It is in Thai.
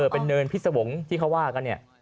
เป็นเนินพิษวงศ์ที่เขาว่ากันเนี่ย